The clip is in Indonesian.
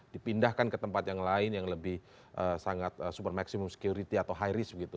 dipindahkan ke tempat yang lain yang lebih sangat super maximum security atau high risk begitu